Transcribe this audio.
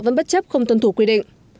vẫn bất chấp không tuân thủ quy định